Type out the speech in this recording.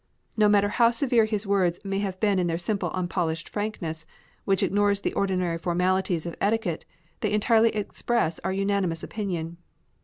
No matter how severe his words may have been in their simple unpolished frankness, which ignores the ordinary formalities of etiquette, they entirely express our unanimous opinion.